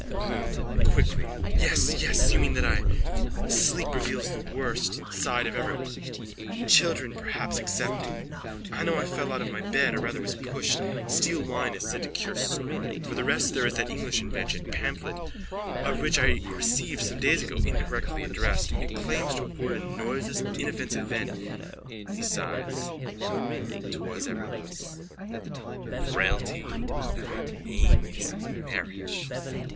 BLOOM: (Quickly.) Yes, yes. You mean that I... Sleep reveals the worst side of everyone, children perhaps excepted. I know I fell out of bed or rather was pushed. Steel wine is said to cure snoring. For the rest there is that English invention, pamphlet of which I received some days ago, incorrectly addressed. It claims to afford a noiseless, inoffensive vent. (He sighs.) 'Twas ever thus. Frailty, thy name is marriage.